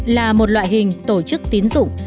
là một loại hình tổ chức tiến dụng